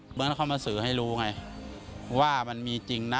เหมือนเขามาสื่อให้รู้ไงว่ามันมีจริงนะ